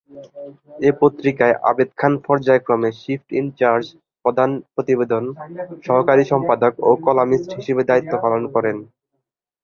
এ পত্রিকায় আবেদ খান পর্যায়ক্রমে শিফট-ইনচার্জ, প্রধান প্রতিবেদন, সহকারী সম্পাদক ও কলামিস্ট হিসেবে দায়িত্ব পালন করেন।